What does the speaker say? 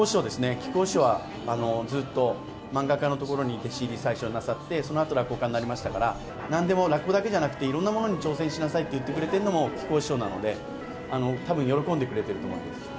木久扇師匠は、ずっと漫画家のところに弟子入り、最初なさって、そのあと、落語家になりましたから、なんでも、落語だけじゃなくて、いろんなものに挑戦しなさいって言ってくれてるのも、木久扇師匠なので、たぶん喜んでくれてると思います。